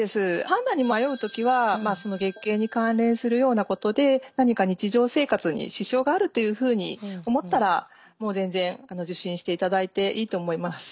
判断に迷う時はその月経に関連するようなことで何か日常生活に支障があるというふうに思ったらもう全然受診していただいていいと思います。